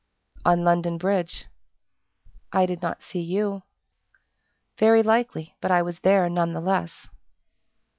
"On London Bridge." "I did not see you." "Very likely, but I was there none the less."